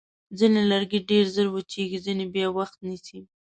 ځینې لرګي ډېر ژر وچېږي، ځینې بیا وخت نیسي.